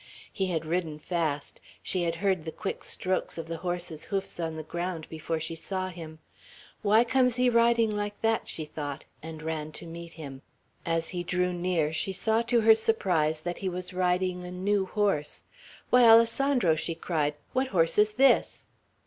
He had ridden fast; she had heard the quick strokes of the horse's hoofs on the ground before she saw him. "Why comes he riding like that?" she thought, and ran to meet him. As he drew near, she saw to her surprise that he was riding a new horse. "Why, Alessandro!" she cried. "What horse is this?"